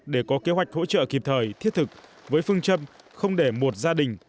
để có kế hoạch hỗ trợ kịp thời thiết thực với phương châm không để một gia đình